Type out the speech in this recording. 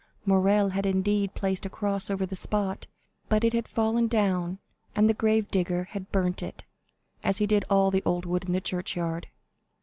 Morrel had indeed placed a cross over the spot, but it had fallen down and the grave digger had burnt it, as he did all the old wood in the churchyard.